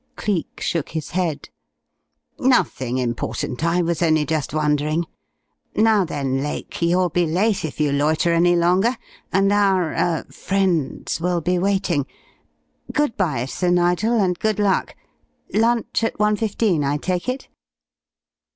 Cleek shook his head. "Nothing important. I was only just wondering. Now then, Lake, you'll be late if you loiter any longer, and our er friends will be waiting. Good bye, Sir Nigel, and good luck. Lunch at one fifteen, I take it?"